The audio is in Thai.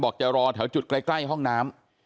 จะรอแถวจุดใกล้ห้องน้ำ